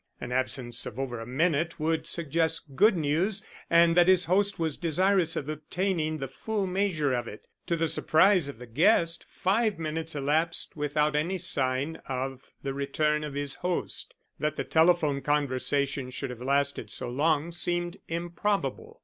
An absence of over a minute would suggest good news, and that his host was desirous of obtaining the full measure of it. To the surprise of the guest, five minutes elapsed without any sign of the return of his host. That the telephone conversation should have lasted so long seemed improbable.